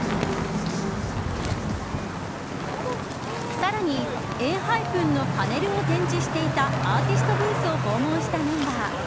さらに、ＥＮＨＹＰＥＮのパネルを展示していたアーティストブースを訪問したメンバー。